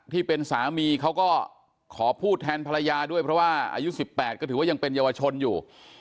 ที่เป็นสามีเขาก็ขอพูดแทนภรรยาด้วยเพราะว่าอายุ๑๘ก็ถือว่ายังเป็นเยาวชนอยู่